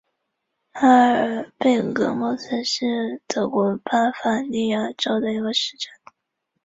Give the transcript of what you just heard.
哈尔贝格莫斯是德国巴伐利亚州的一个市镇。